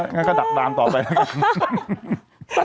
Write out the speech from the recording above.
งั้นก็ดักดามต่อไปแล้วกัน